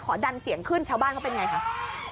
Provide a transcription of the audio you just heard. ขอดันเสียงขึ้นชาวบ้านก็เป็นอย่างไรค่ะ